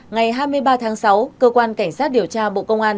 ngày hai mươi ba tháng sáu cơ quan cảnh sát điều tra bộ công an